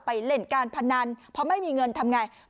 ไปเล่นการพนันเพราะไม่มีเงินทำอย่างไร